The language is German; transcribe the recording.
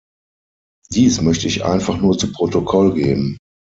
Dies möchte ich einfach nur zu Protokoll geben.